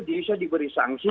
bisa diberi sanksi